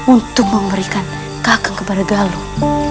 untuk memberikan kakek kepada galuh